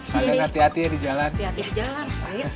kalian hati hatinya di jalan